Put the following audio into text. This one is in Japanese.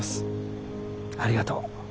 ありがとう。